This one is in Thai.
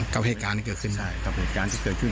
กับเหตุการณ์ที่เกิดขึ้น